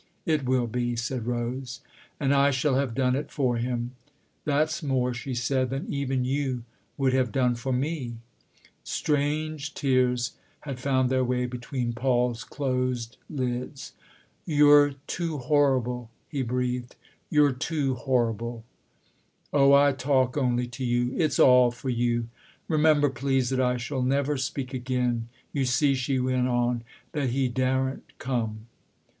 "It will be," said Rose. "And I shall have done it for him. That's more," she said, "than even you would have done for me" Strange tears had found their way between Paul's closed lids. "You're too horrible," he breathed; "you're too horrible." " Oh, I talk only to you : it's all for you. Remem ber, please, that I shall never speak again. You see," she went on, " that he daren't come."